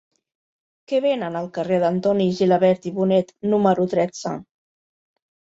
Què venen al carrer d'Antoni Gilabert i Bonet número tretze?